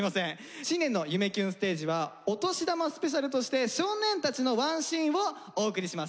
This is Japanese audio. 新年の「夢キュンステージ」は「お年玉ＳＰ」として「少年たち」のワンシーンをお送りします。